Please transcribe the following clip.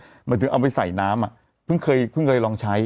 หมายถึงเอาไปใส่น้ำอ่ะเพิ่งเคยเพิ่งเคยลองใช้